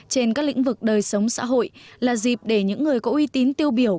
trên các lĩnh vực đời sống xã hội là dịp để những người có uy tín tiêu biểu